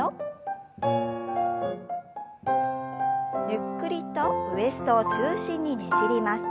ゆっくりとウエストを中心にねじります。